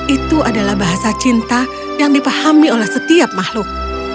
itu adalah bahasa cinta yang dipahami oleh setiap makhluk